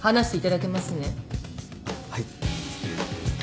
はい。